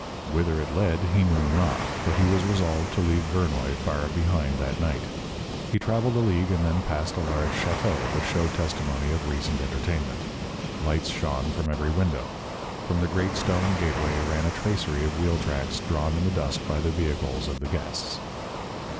_ Whither it led he knew not, but he was resolved to leave Vernoy far behind that night. He travelled a league and then passed a large château which showed testimony of recent entertainment. Lights shone from every window; from the great stone gateway ran a tracery of wheel tracks drawn in the dust by the vehicles of the guests.